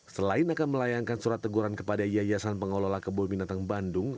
selain akan melayangkan surat teguran kepada yayasan pengelola kebun binatang bandung